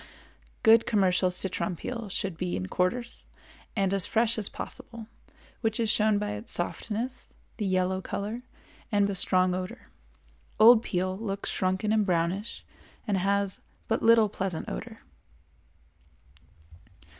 Good commercial citron peel should be in quarters and as fresh as possible, which is shown by its softness, the yellow color, and the strong odor. Old peel looks shrunken and brownish and has but little pleasant odor.